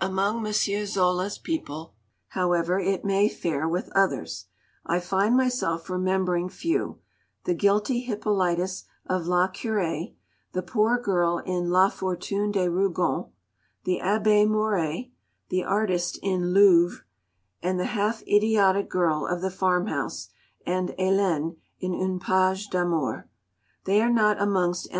Among M. Zola's people, however it may fare with others, I find myself remembering few: the guilty Hippolytus of "La Curée," the poor girl in "La Fortune des Rougon," the Abbé Mouret, the artist in "L'Oeuvre," and the half idiotic girl of the farm house, and Hélène in "Un Page d'Amour." They are not amongst M.